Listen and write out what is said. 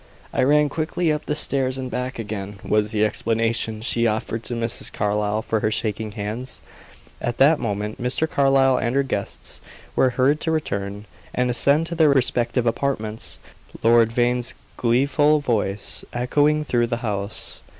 "I ran quickly up the stairs and back again," was the explanation she offered to Mrs. Carlyle for her shaking hands. At that moment Mr. Carlyle and their guests were heard to return, and ascend to their respective apartments, Lord Vane's gleeful voice echoing through the house.